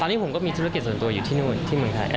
ตอนนี้ผมก็มีธุรกิจส่วนตัวอยู่ที่นู่นที่เมืองไทย